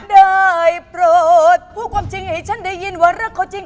ได้โปรดพูดความจริงให้ฉันได้ยินว่ารักเขาจริง